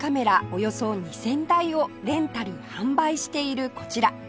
およそ２０００台をレンタル販売しているこちら